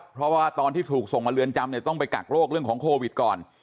เพราะว่าตอนที่ถูกส่งมาเรือนจำเนี่ยต้องไปกักโรคเรื่องของโควิดก่อน